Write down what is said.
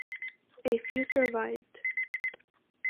A few survived.